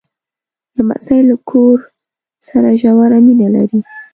لمسی له کور سره ژوره مینه لري.